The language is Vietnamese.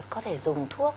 có thể dùng thuốc